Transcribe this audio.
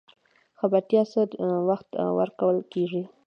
خبرتیا څه وخت ورکول کیږي؟